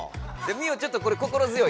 ミオちょっとこれ心強いね。